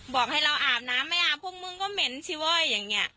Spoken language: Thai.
บอกให้เราอาบน้ำไม่อาบพวกมึงก็เหม็นสิเว้ยอย่างนี้